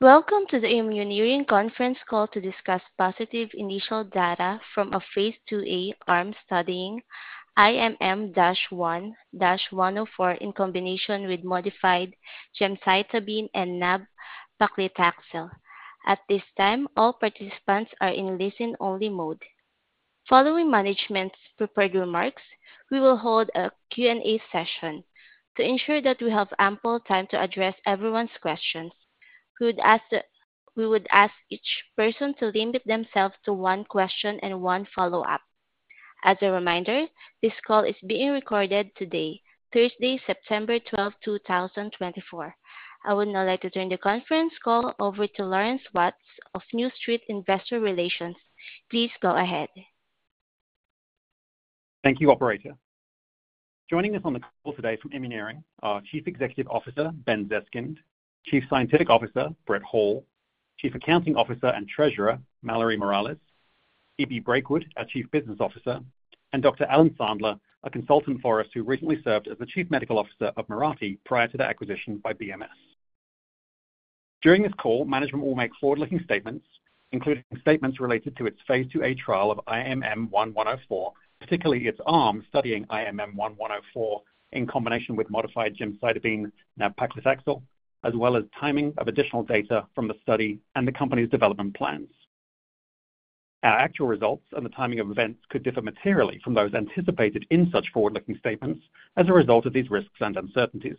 Welcome to the Immuneering conference call to discuss positive initial data from a Phase II-A arm studying IMM-1-104 in combination with modified gemcitabine and nab-paclitaxel. At this time, all participants are in listen-only mode. Following management's prepared remarks, we will hold a Q&A session. To ensure that we have ample time to address everyone's questions, we would ask each person to limit themselves to one question and one follow-up. As a reminder, this call is being recorded today, Thursday, September twelve, two thousand and twenty-four. I would now like to turn the conference call over to Lawrence Watts of New Street Investor Relations. Please go ahead. Thank you, operator. Joining us on the call today from Immuneering are Chief Executive Officer, Ben Zeskind, Chief Scientific Officer, Brett Hall, Chief Accounting Officer and Treasurer, Mallory Morales, E.B. Brakewood, our Chief Business Officer, and Dr. Alan Sandler, a consultant for us who recently served as the Chief Medical Officer of Mirati prior to the acquisition by BMS. During this call, management will make forward-looking statements, including statements related to its Phase II-A trial of IMM-1-104, particularly its arm studying IMM-1-104, in combination with modified gemcitabine nab-paclitaxel, as well as timing of additional data from the study and the company's development plans. Our actual results and the timing of events could differ materially from those anticipated in such forward-looking statements as a result of these risks and uncertainties.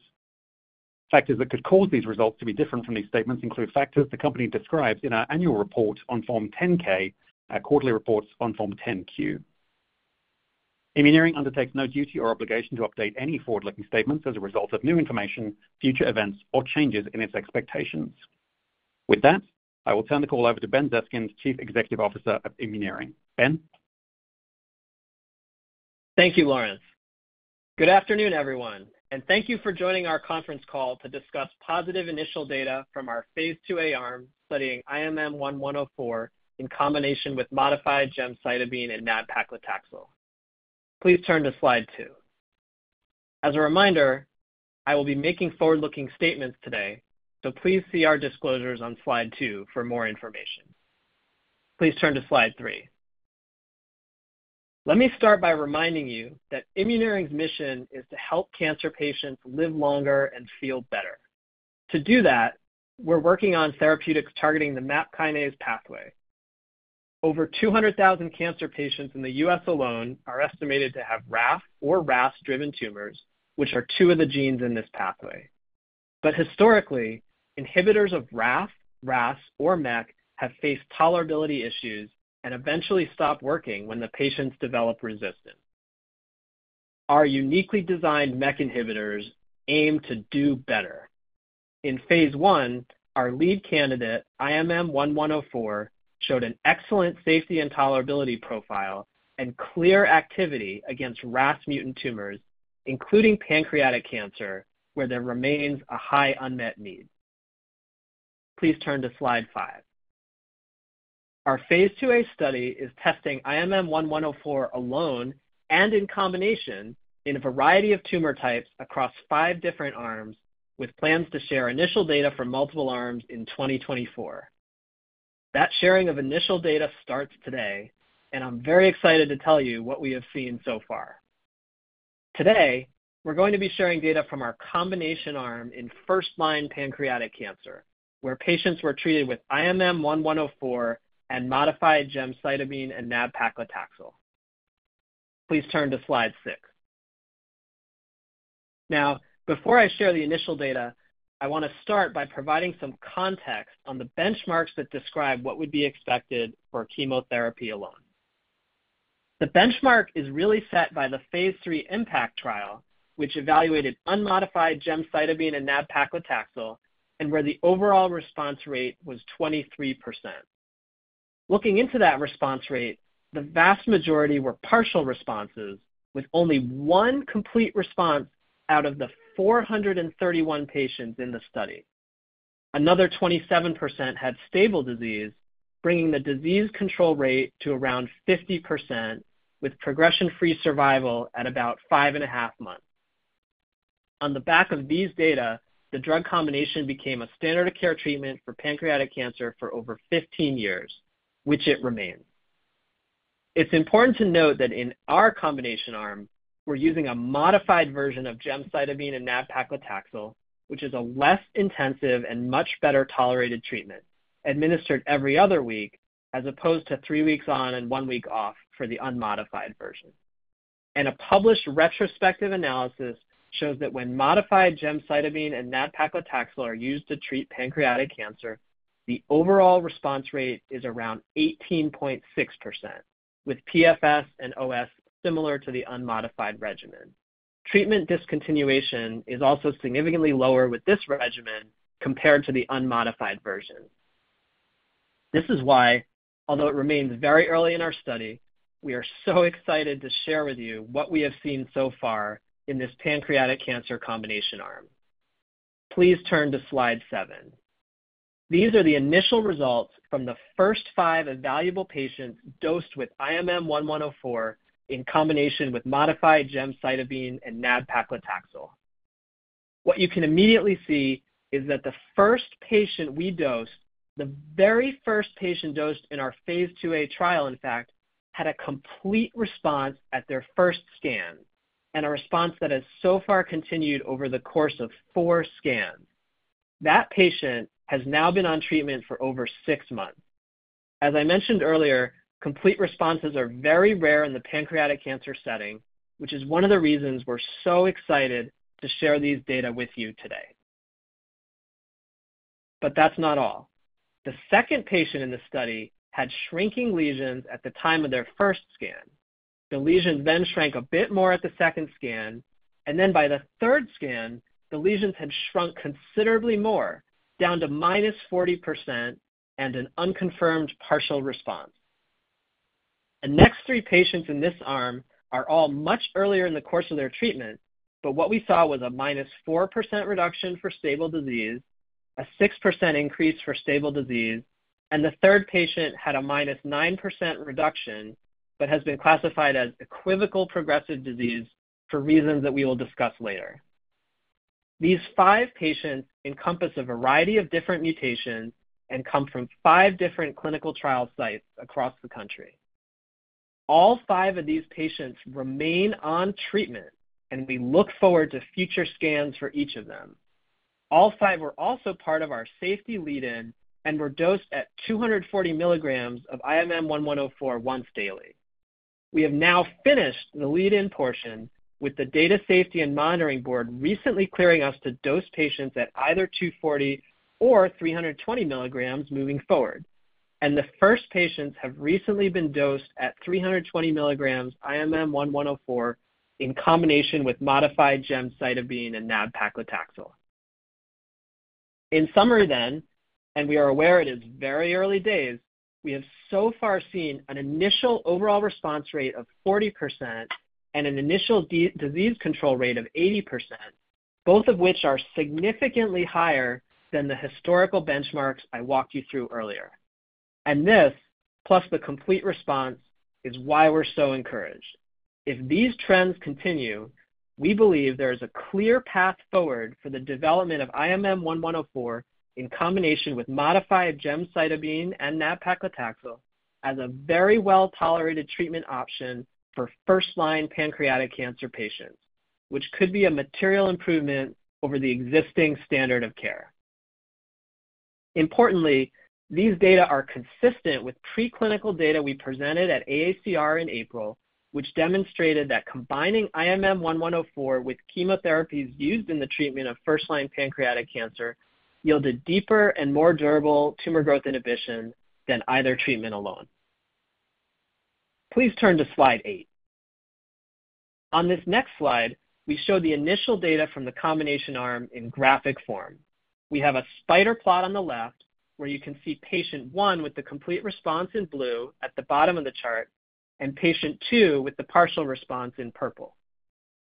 Factors that could cause these results to be different from these statements include factors the company describes in our annual report on Form 10-K, our quarterly reports on Form 10-Q. Immuneering undertakes no duty or obligation to update any forward-looking statements as a result of new information, future events, or changes in its expectations. With that, I will turn the call over to Ben Zeskind, Chief Executive Officer of Immuneering. Ben? Thank you, Lawrence. Good afternoon, everyone, and thank you for joining our conference call to discuss positive initial data from our Phase II-A arm studying IMM-1-104 in combination with modified gemcitabine and nab-paclitaxel. Please turn to slide two. As a reminder, I will be making forward-looking statements today, so please see our disclosures on slide two for more information. Please turn to slide three. Let me start by reminding you that Immuneering's mission is to help cancer patients live longer and feel better. To do that, we're working on therapeutics targeting the MAP kinase pathway. Over two hundred thousand cancer patients in the U.S. alone are estimated to have RAF or RAS-driven tumors, which are two of the genes in this pathway. But historically, inhibitors of RAF/RAS/MEK have faced tolerability issues and eventually stop working when the patients develop resistance. Our uniquely designed MEK inhibitors aim to do better. In Phase I, our lead candidate, IMM-1-104, showed an excellent safety and tolerability profile and clear activity against RAS mutant tumors, including pancreatic cancer, where there remains a high unmet need. Please turn to slide five. Our Phase II-A study is testing IMM-1-104 alone and in combination in a variety of tumor types across five different arms, with plans to share initial data from multiple arms in 2024. That sharing of initial data starts today, and I'm very excited to tell you what we have seen so far. Today, we're going to be sharing data from our combination arm in first-line pancreatic cancer, where patients were treated with IMM-1-104 and modified gemcitabine and nab-paclitaxel. Please turn to slide six. Now, before I share the initial data, I want to start by providing some context on the benchmarks that describe what would be expected for chemotherapy alone. The benchmark is really set by the Phase III MPACT trial, which evaluated unmodified gemcitabine and nab-paclitaxel, and where the overall response rate was 23%. Looking into that response rate, the vast majority were partial responses, with only one complete response out of the 431 patients in the study. Another 27% had stable disease, bringing the disease control rate to around 50%, with progression-free survival at about 5.5 months. On the back of these data, the drug combination became a standard of care treatment for pancreatic cancer for over 15 years, which it remains. It's important to note that in our combination arm, we're using a modified version of gemcitabine and nab-paclitaxel, which is a less intensive and much better-tolerated treatment administered every other week, as opposed to three weeks on and one week off for the unmodified version, and a published retrospective analysis shows that when modified gemcitabine and nab-paclitaxel are used to treat pancreatic cancer, the overall response rate is around 18.6%, with PFS and OS similar to the unmodified regimen. Treatment discontinuation is also significantly lower with this regimen compared to the unmodified version. This is why, although it remains very early in our study, we are so excited to share with you what we have seen so far in this pancreatic cancer combination arm. Please turn to slide seven. These are the initial results from the first five evaluable patients dosed with IMM-1-104 in combination with modified gemcitabine and nab-paclitaxel. What you can immediately see is that the first patient we dosed, the very first patient dosed in our Phase II-A trial, in fact, had a complete response at their first scan, and a response that has so far continued over the course of four scans. That patient has now been on treatment for over six months. As I mentioned earlier, complete responses are very rare in the pancreatic cancer setting, which is one of the reasons we're so excited to share these data with you today. But that's not all. The second patient in the study had shrinking lesions at the time of their first scan. The lesions then shrank a bit more at the second scan, and then by the third scan, the lesions had shrunk considerably more, down to minus 40% and an unconfirmed partial response. The next three patients in this arm are all much earlier in the course of their treatment, but what we saw was a minus 4% reduction for stable disease, a 6% increase for stable disease, and the third patient had a minus 9% reduction, but has been classified as equivocal progressive disease for reasons that we will discuss later. These five patients encompass a variety of different mutations and come from five different clinical trial sites across the country. All five of these patients remain on treatment, and we look forward to future scans for each of them. All five were also part of our safety lead-in and were dosed at two hundred and forty milligrams of IMM-1-104 once daily. We have now finished the lead-in portion with the Data and Safety Monitoring Board recently clearing us to dose patients at either 240 or 320 milligrams moving forward, and the first patients have recently been dosed at three hundred and twenty milligrams IMM-1-104 in combination with modified gemcitabine and nab-paclitaxel. In summary then, and we are aware it is very early days, we have so far seen an initial overall response rate of 40% and an initial disease control rate of 80%, both of which are significantly higher than the historical benchmarks I walked you through earlier. And this, plus the complete response, is why we're so encouraged. If these trends continue, we believe there is a clear path forward for the development of IMM-1-104 in combination with modified gemcitabine and nab-paclitaxel as a very well-tolerated treatment option for first-line pancreatic cancer patients, which could be a material improvement over the existing standard of care. Importantly, these data are consistent with preclinical data we presented at AACR in April, which demonstrated that combining IMM-1-104 with chemotherapies used in the treatment of first-line pancreatic cancer yielded deeper and more durable tumor growth inhibition than either treatment alone. Please turn to slide eight. On this next slide, we show the initial data from the combination arm in graphic form. We have a spider plot on the left, where you can see patient one with the complete response in blue at the bottom of the chart, and patient two with the partial response in purple.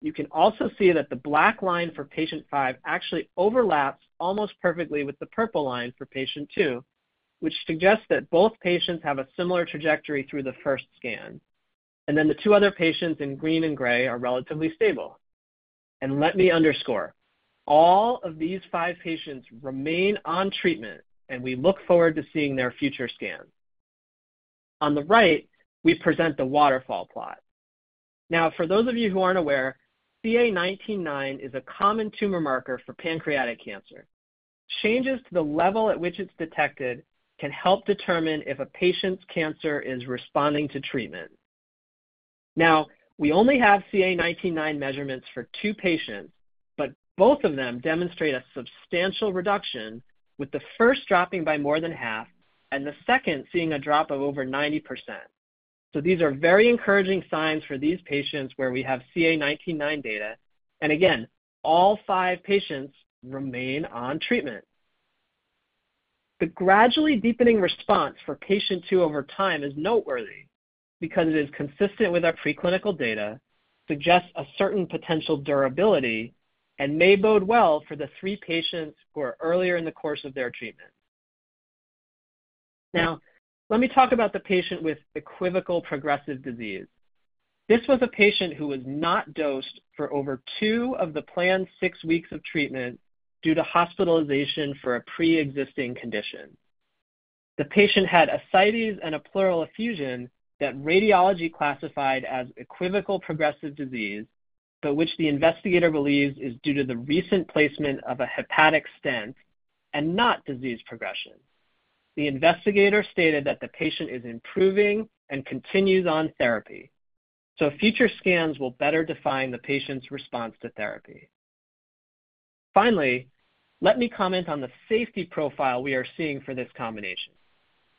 You can also see that the black line for patient five actually overlaps almost perfectly with the purple line for patient two, which suggests that both patients have a similar trajectory through the first scan, and then the two other patients in green and gray are relatively stable. And let me underscore, all of these five patients remain on treatment, and we look forward to seeing their future scans. On the right, we present the waterfall plot. Now, for those of you who aren't aware, CA19-9 is a common tumor marker for pancreatic cancer. Changes to the level at which it's detected can help determine if a patient's cancer is responding to treatment. Now, we only have CA19-9 measurements for two patients, but both of them demonstrate a substantial reduction, with the first dropping by more than half and the second seeing a drop of over 90%. So these are very encouraging signs for these patients where we have CA19-9 data, and again, all five patients remain on treatment. The gradually deepening response for patient two over time is noteworthy because it is consistent with our preclinical data, suggests a certain potential durability, and may bode well for the three patients who are earlier in the course of their treatment. Now, let me talk about the patient with equivocal progressive disease. This was a patient who was not dosed for over two of the planned six weeks of treatment due to hospitalization for a preexisting condition. The patient had ascites and a pleural effusion that radiology classified as equivocal progressive disease, but which the investigator believes is due to the recent placement of a hepatic stent and not disease progression. The investigator stated that the patient is improving and continues on therapy, so future scans will better define the patient's response to therapy. Finally, let me comment on the safety profile we are seeing for this combination.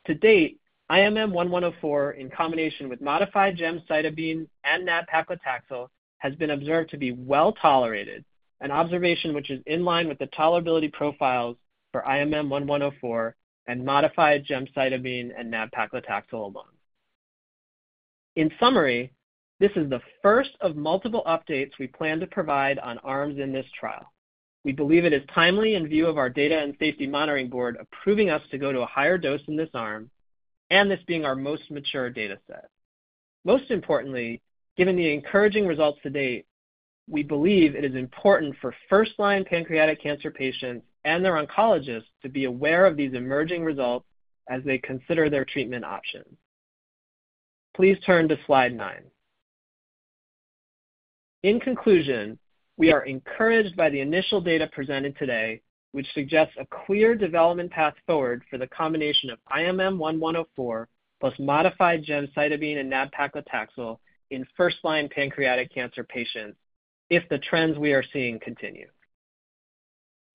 To date, IMM-1-104, in combination with modified gemcitabine and nab-paclitaxel, has been observed to be well-tolerated, an observation which is in line with the tolerability profiles for IMM-1-104 and modified gemcitabine and nab-paclitaxel alone. In summary, this is the first of multiple updates we plan to provide on arms in this trial. We believe it is timely in view of our Data and Safety Monitoring Board approving us to go to a higher dose in this arm and this being our most mature data set. Most importantly, given the encouraging results to date, we believe it is important for first-line pancreatic cancer patients and their oncologists to be aware of these emerging results as they consider their treatment options. Please turn to slide nine. In conclusion, we are encouraged by the initial data presented today, which suggests a clear development path forward for the combination of IMM-1-104, plus modified gemcitabine and nab-paclitaxel in first-line pancreatic cancer patients, if the trends we are seeing continue.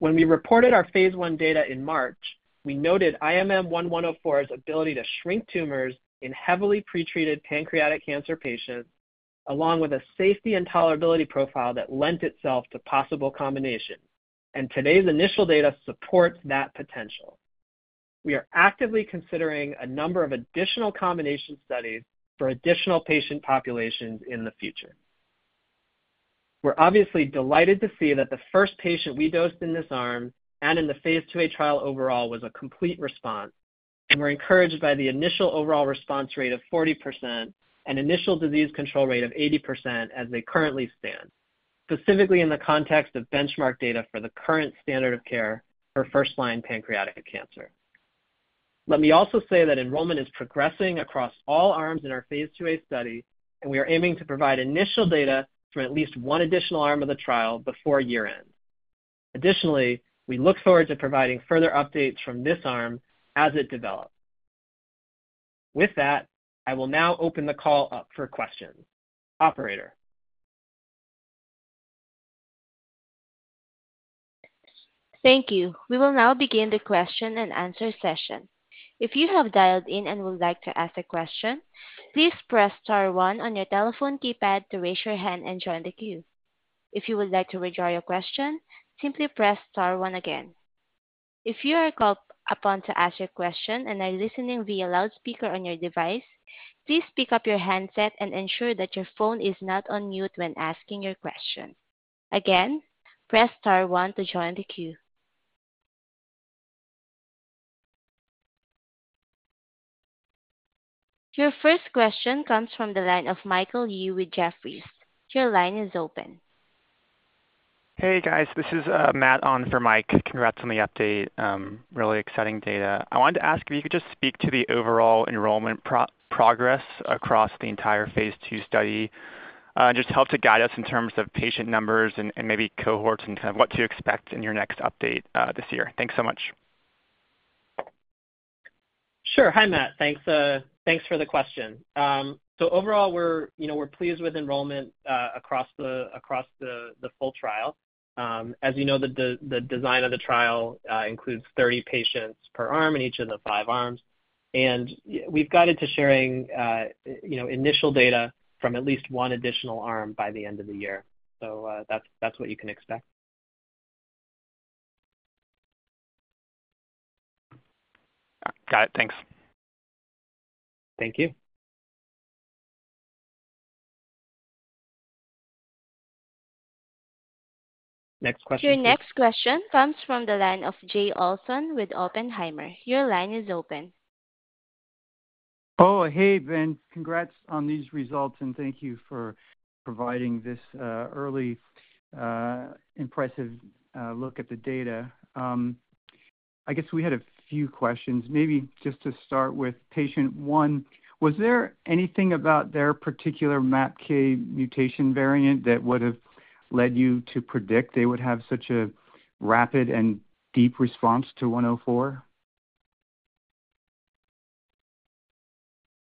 When we reported our hase I data in March, we noted IMM-1-104's ability to shrink tumors in heavily pretreated pancreatic cancer patients, along with a safety and tolerability profile that lent itself to possible combination. Today's initial data supports that potential. We are actively considering a number of additional combination studies for additional patient populations in the future. We're obviously delighted to see that the first patient we dosed in this arm, and in the Phase II-A trial overall, was a complete response, and we're encouraged by the initial overall response rate of 40% and initial disease control rate of 80% as they currently stand, specifically in the context of benchmark data for the current standard of care for first-line pancreatic cancer. Let me also say that enrollment is progressing across all arms in our Phase II-A study, and we are aiming to provide initial data from at least one additional arm of the trial before year-end. Additionally, we look forward to providing further updates from this arm as it develops. With that, I will now open the call up for questions. Operator? Thank you. We will now begin the question-and-answer session. If you have dialed in and would like to ask a question, please press star one on your telephone keypad to raise your hand and join the queue. If you would like to withdraw your question, simply press star one again. If you are called upon to ask your question and are listening via loudspeaker on your device, please pick up your handset and ensure that your phone is not on mute when asking your question. Again, press star one to join the queue. Your first question comes from the line of Michael Yee with Jefferies. Your line is open. Hey, guys, this is Matt on for Mike. Congrats on the update. Really exciting data. I wanted to ask if you could just speak to the overall enrollment progress across the entire Phase II study, and just help to guide us in terms of patient numbers and maybe cohorts and kind of what to expect in your next update this year. Thanks so much. Sure. Hi, Mike. Thanks for the question. So overall, we're, you know, we're pleased with enrollment across the full trial. As you know, the design of the trial includes 30 patients per arm in each of the five arms, and we've guided to sharing, you know, initial data from at least one additional arm by the end of the year. So, that's what you can expect. Got it. Thanks. Thank you. Next question, please. Your next question comes from the line of Jay Olson with Oppenheimer. Your line is open. Oh, hey, Ben. Congrats on these results, and thank you for providing this early, impressive look at the data. I guess we had a few questions. Maybe just to start with patient one, was there anything about their particular MAPK mutation variant that would have led you to predict they would have such a rapid and deep response to one oh four?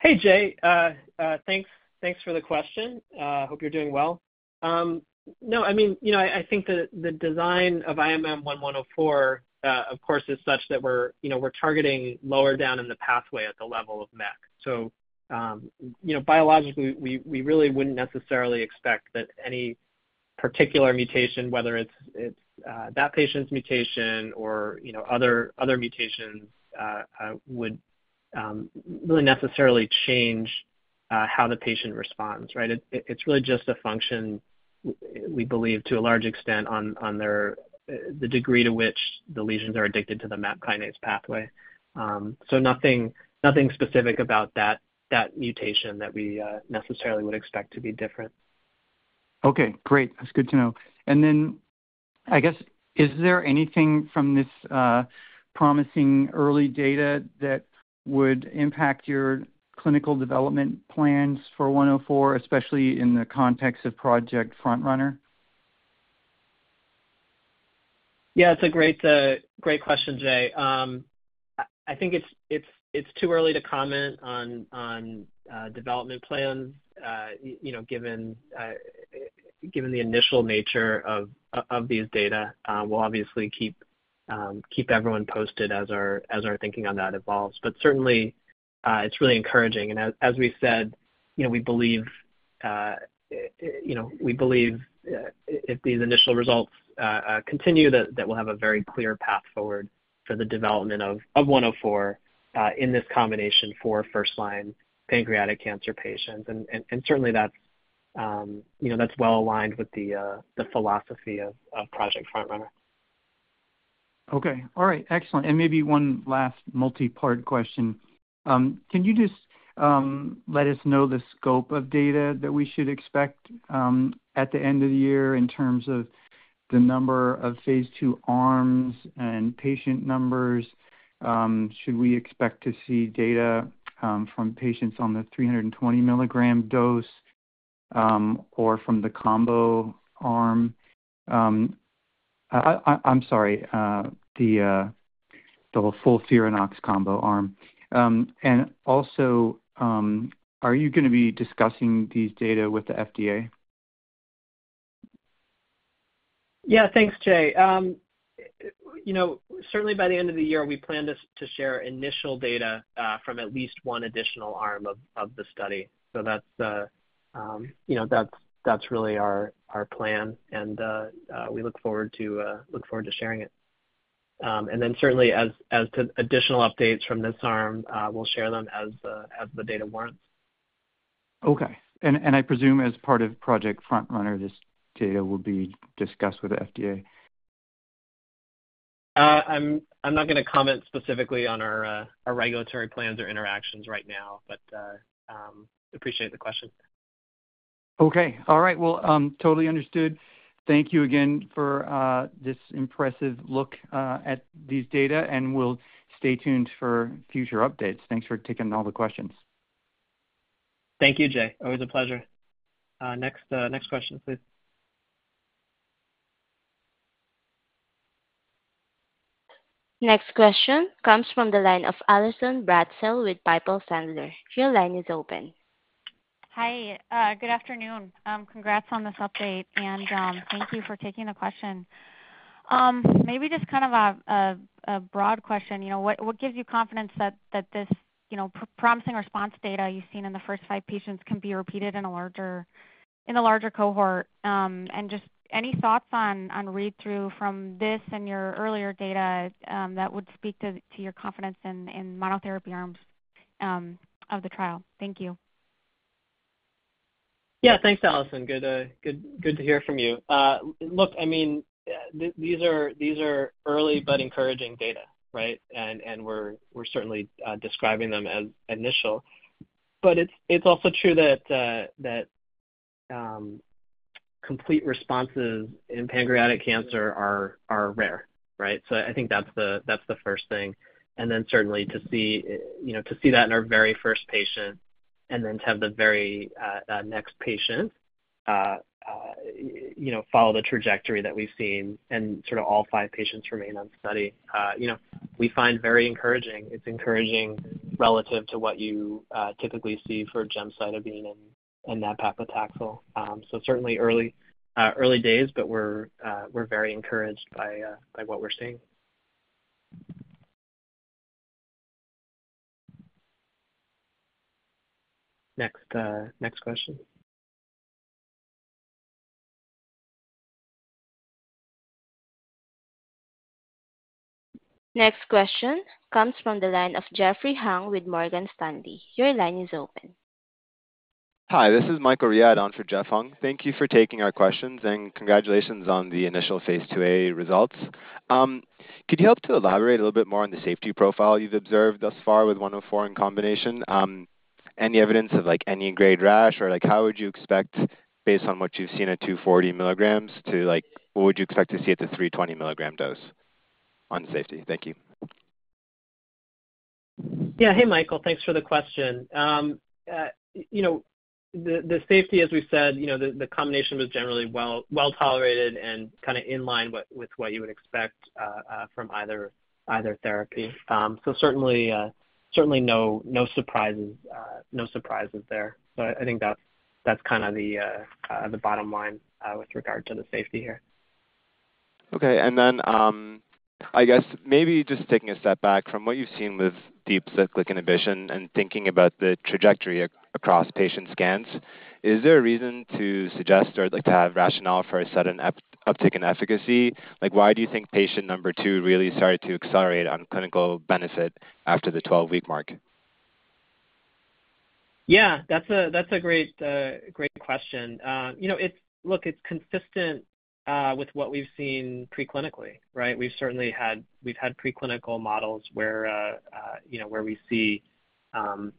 Hey, Jay. Thanks for the question. Hope you're doing well. No, I mean, you know, I think the design of IMM-1-104, of course, is such that we're, you know, we're targeting lower down in the pathway at the level of MEK. So, you know, biologically, we really wouldn't necessarily expect that any particular mutation, whether it's that patient's mutation or, you know, other mutations, would really necessarily change how the patient responds, right? It's really just a function, we believe, to a large extent, on their the degree to which the lesions are addicted to the MAP kinase pathway. So nothing specific about that mutation that we necessarily would expect to be different. Okay, great. That's good to know. And then, I guess, is there anything from this promising early data that would impact your clinical development plans for 104, especially in the context of Project FrontRunner? Yeah, it's a great question, Jay. I think it's too early to comment on development plans, you know, given the initial nature of these data. We'll obviously keep everyone posted as our thinking on that evolves. But certainly, it's really encouraging. And as we've said, you know, we believe, if these initial results continue, that we'll have a very clear path forward for the development of one oh four in this combination for first-line pancreatic cancer patients. And certainly that's you know well aligned with the philosophy of Project FrontRunner.... Okay. All right, excellent. And maybe one last multipart question. Can you just let us know the scope of data that we should expect at the end of the year in terms of the number of Phase II arms and patient numbers? Should we expect to see data from patients on the 320-milligram dose or from the combo arm? I'm sorry, the full FOLFIRINOX combo arm. And also, are you gonna be discussing these data with the FDA? Yeah, thanks, Jay. You know, certainly by the end of the year, we plan to share initial data from at least one additional arm of the study. So that's the, you know, that's really our plan, and we look forward to sharing it. And then certainly as to additional updates from this arm, we'll share them as the data warrants. Okay. And I presume as part of Project FrontRunner, this data will be discussed with the FDA? I'm not gonna comment specifically on our regulatory plans or interactions right now, but appreciate the question. Okay. All right. Well, totally understood. Thank you again for this impressive look at these data, and we'll stay tuned for future updates. Thanks for taking all the questions. Thank you, Jay. Always a pleasure. Next question, please. Next question comes from the line of Allison Bratzel with Piper Sandler. Your line is open. Hi, good afternoon. Congrats on this update, and thank you for taking the question. Maybe just kind of a broad question. You know, what gives you confidence that this, you know, promising response data you've seen in the first five patients can be repeated in a larger cohort? And just any thoughts on read-through from this and your earlier data that would speak to your confidence in monotherapy arms of the trial? Thank you. Yeah, thanks, Allison. Good to hear from you. Look, I mean, these are early but encouraging data, right? And we're certainly describing them as initial. But it's also true that complete responses in pancreatic cancer are rare, right? So I think that's the first thing. And then certainly to see, you know, to see that in our very first patient and then to have the very next patient, you know, follow the trajectory that we've seen and sort of all five patients remain on study, you know, we find very encouraging. It's encouraging relative to what you typically see for gemcitabine and nab-paclitaxel. So certainly early days, but we're very encouraged by what we're seeing. Next, next question. Next question comes from the line of Jeffrey Hung with Morgan Stanley. Your line is open. Hi, this is Michael Riad on for Jeff Hung. Thank you for taking our questions, and congratulations on the initial Phase II-A results. Could you help to elaborate a little bit more on the safety profile you've observed thus far with one oh four in combination? Any evidence of, like, any grade rash, or, like, how would you expect, based on what you've seen at two forty milligrams to, like, what would you expect to see at the three twenty milligram dose on safety? Thank you. Yeah. Hey, Michael, thanks for the question. You know, the safety, as we said, you know, the combination was generally well tolerated and kind of in line with what you would expect from either therapy. So certainly no surprises there. So I think that's kind of the bottom line with regard to the safety here. Okay. And then, I guess maybe just taking a step back, from what you've seen with deep cyclic inhibition and thinking about the trajectory across patient scans, is there a reason to suggest or, like, to have rationale for a sudden uptick in efficacy? Like, why do you think patient number two really started to accelerate on clinical benefit after the twelve-week mark? Yeah, that's a great question. You know, it's, look, it's consistent with what we've seen preclinically, right? We've certainly had preclinical models where you know, where we see kind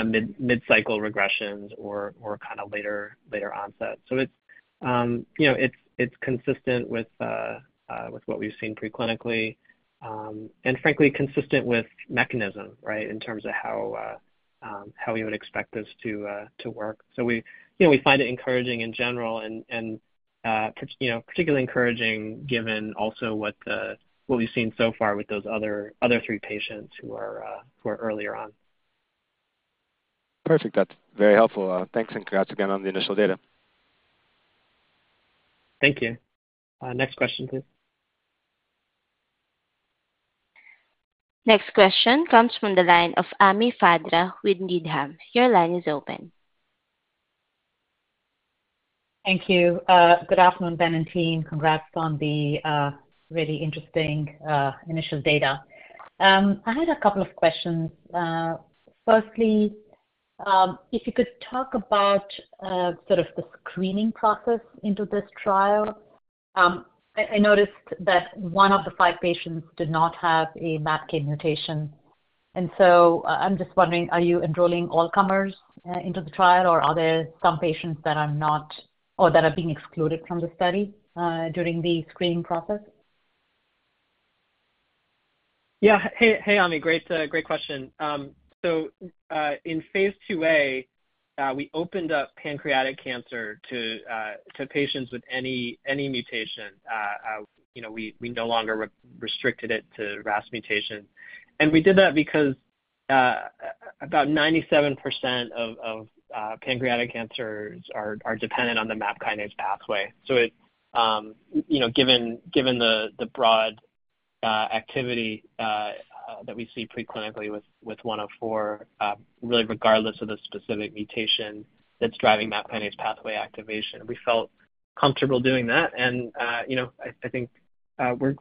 of mid-cycle regressions or kind of later onset. So it's you know, it's consistent with what we've seen preclinically and frankly, consistent with mechanism, right, in terms of how we would expect this to work. So we you know, we find it encouraging in general and particularly encouraging given also what we've seen so far with those other three patients who are earlier on. Perfect. That's very helpful. Thanks, and congrats again on the initial data. Thank you. Next question, please. Next question comes from the line of Ami Fadia with Needham. Your line is open. Thank you. Good afternoon, Ben and team. Congrats on the really interesting initial data. I had a couple of questions. Firstly-... if you could talk about, sort of the screening process into this trial. I noticed that one of the five patients did not have a MAP kinase mutation, and so I'm just wondering, are you enrolling all comers into the trial, or are there some patients that are not or that are being excluded from the study during the screening process? Yeah. Hey, hey, Ami. Great, great question. So, in Phase II-A, we opened up pancreatic cancer to patients with any mutation. You know, we no longer restricted it to RAS mutation. And we did that because about 97% of pancreatic cancers are dependent on the MAP kinase pathway. So it, you know, given the broad activity that we see preclinically with one oh four, really regardless of the specific mutation that's driving MAP kinase pathway activation, we felt comfortable doing that. And, you know, I think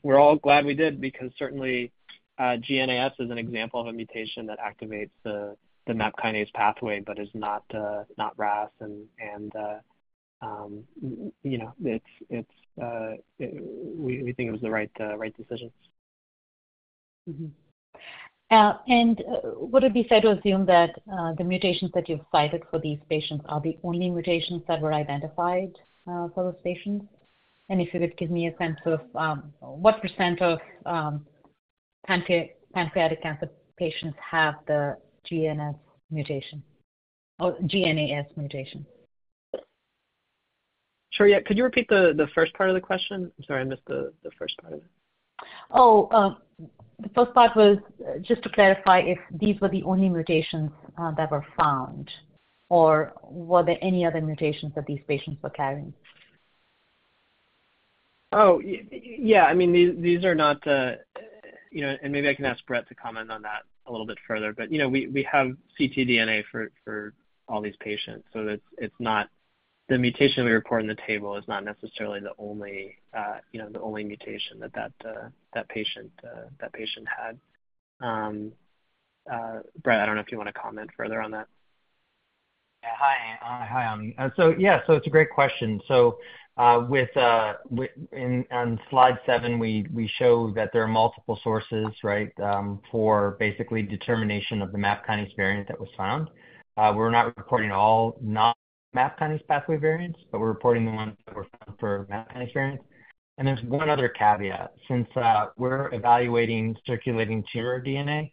we're all glad we did, because certainly GNAS is an example of a mutation that activates the MAP kinase pathway, but is not RAS. You know, it's, we think it was the right decision. Mm-hmm. And would it be fair to assume that the mutations that you've cited for these patients are the only mutations that were identified for those patients? And if you could give me a sense of what % of pancreatic cancer patients have the GNAS mutation, or GNAS mutation? Shreya, could you repeat the first part of the question? I'm sorry, I missed the first part of it. The first part was just to clarify if these were the only mutations that were found, or were there any other mutations that these patients were carrying? Oh, yeah, I mean, these are not the, you know, and maybe I can ask Brett to comment on that a little bit further, but you know, we have ctDNA for all these patients, so it's not the mutation we report in the table. The mutation we report in the table is not necessarily the only mutation that that patient had. Brett, I don't know if you want to comment further on that. Yeah. Hi, hi, Ami. Yeah, so it's a great question. With in on slide seven, we show that there are multiple sources, right, for basically determination of the MAP kinase variant that was found. We're not reporting all non-MAP kinase pathway variants, but we're reporting the ones that were found for MAP kinase variant. And there's one other caveat. Since we're evaluating circulating tumor DNA,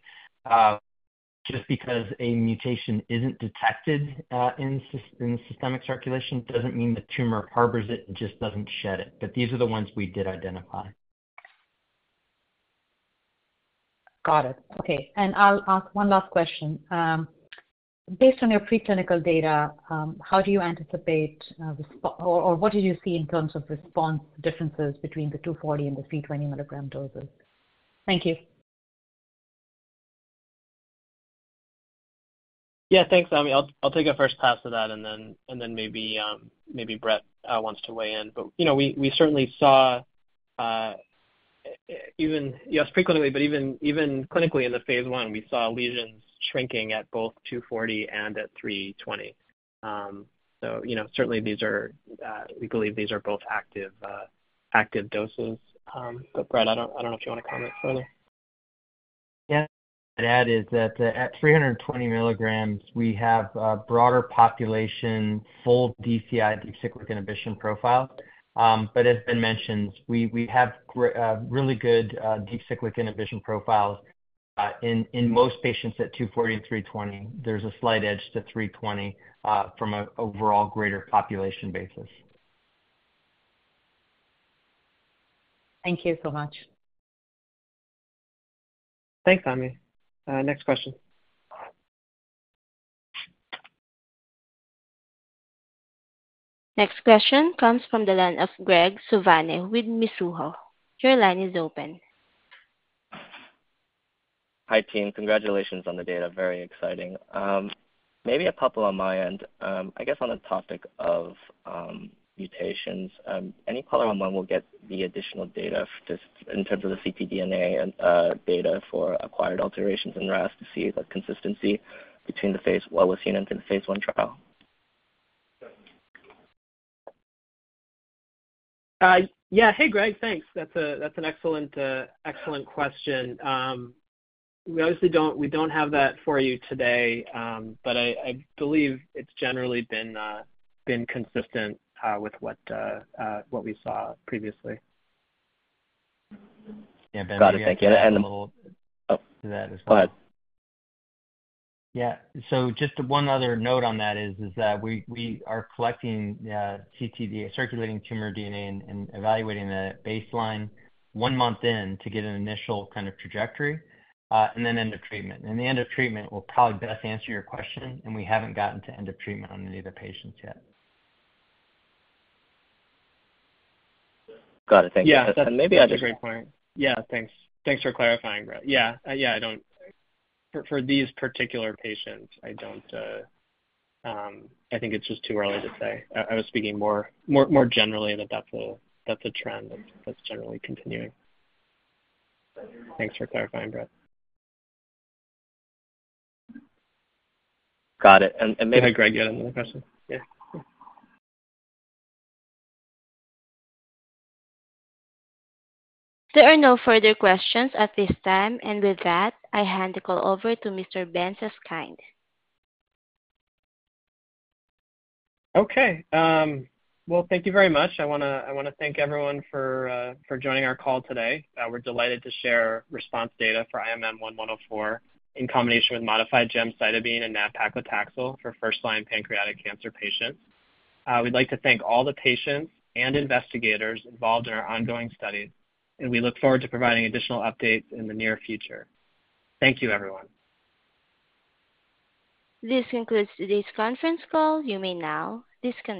just because a mutation isn't detected in the systemic circulation doesn't mean the tumor harbors it, it just doesn't shed it. But these are the ones we did identify. Got it. Okay, and I'll ask one last question. Based on your preclinical data, how do you anticipate, or what did you see in terms of response differences between the 240 and the 320 milligram doses? Thank you. Yeah, thanks, Ami. I'll take a first pass at that, and then maybe Brett wants to weigh in. But, you know, we certainly saw even, yes, frequently, but even clinically in the Phase I, we saw lesions shrinking at both two forty and at three twenty. So, you know, certainly these are, we believe these are both active doses. But Brett, I don't know if you want to comment further. Yeah. I'd add is that at three hundred and twenty milligrams, we have a broader population, full DCI Deep Cyclic Inhibition profile. But as has been mentioned, we have really good Deep Cyclic Inhibition profiles in most patients at two forty and three twenty. There's a slight edge to three twenty from a overall greater population basis. Thank you so much. Thanks, Ami. Next question. Next question comes from the line of Graig Suvannavejh with Mizuho. Your line is open. Hi, team. Congratulations on the data. Very exciting. Maybe a couple on my end. I guess on the topic of mutations, any color on when we'll get the additional data just in terms of the ctDNA and data for acquired alterations in RAS to see the consistency between the phase one we're seeing and the Phase I trial? Yeah. Hey, Graig. Thanks. That's an excellent question. We obviously don't have that for you today, but I believe it's generally been consistent with what we saw previously. Yeah. Got it. Thank you. And- And a little- Oh, go ahead. Yeah. So just one other note on that is that we are collecting ctDNA, circulating tumor DNA, and evaluating the baseline one month in to get an initial kind of trajectory, and then end of treatment. And the end of treatment will probably best answer your question, and we haven't gotten to end of treatment on any of the patients yet. Got it. Thank you. Yeah. Maybe I just- That's a great point. Yeah, thanks. Thanks for clarifying, Brett. Yeah, yeah, I don't. For these particular patients, I don't, I think it's just too early to say. I was speaking more generally, that that's a trend that's generally continuing. Thanks for clarifying, Brett. Got it. And maybe- Go ahead, Graig. You had another question? Yeah. There are no further questions at this time, and with that, I hand the call over to Mr. Ben Zeskind. Okay, well, thank you very much. I wanna thank everyone for joining our call today. We're delighted to share response data for IMM-1-104 in combination with modified gemcitabine and nab-paclitaxel for first-line pancreatic cancer patients. We'd like to thank all the patients and investigators involved in our ongoing study, and we look forward to providing additional updates in the near future. Thank you, everyone. This concludes today's conference call. You may now disconnect.